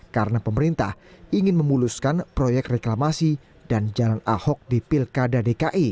karena pemerintah ingin memuluskan proyek reklamasi dan jalan ahok di pilkada dki